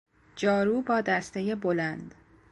جارو با دستهی بلند